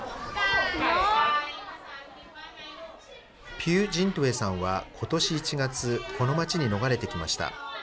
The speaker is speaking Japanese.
ピュー・ジン・トゥエーさんは、ことし１月、この町に逃れてきました。